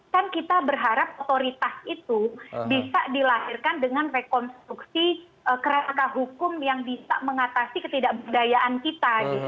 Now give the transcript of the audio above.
kan kita berharap otoritas itu bisa dilahirkan dengan rekonstruksi kerangka hukum yang bisa mengatasi ketidakberdayaan kita